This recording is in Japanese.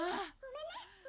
「ごめんね」。